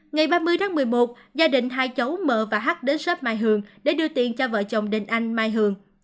ngày ba mươi tháng một mươi một gia đình hai cháu mờ và h đến sớp mai hường để đưa tiền cho vợ chồng đình anh mai hường